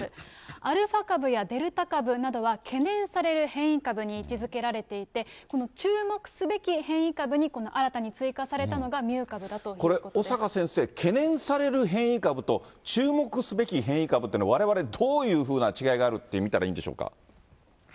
アルファ株やデルタ株は懸念される変異株に位置づけられていて、この注目すべき変異株にこの新たに追加されたのが、これ、小坂先生、懸念される変異株と、注目すべき変異株というのは、われわれ、どういうふうな違いがあるというふうに見たらいいんでしょうか。